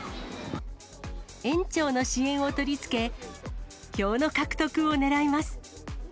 園長の支援を取り付け、票の獲得をねらいます。